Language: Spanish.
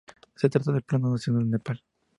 Se trata del plato nacional del Nepal.